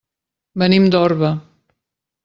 Venim d'Orba.